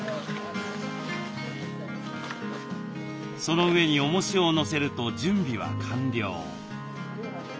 その上におもしを載せると準備は完了。